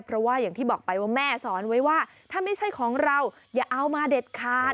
เพราะว่าอย่างที่บอกไปว่าแม่สอนไว้ว่าถ้าไม่ใช่ของเราอย่าเอามาเด็ดขาด